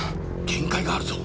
限界があるぞ。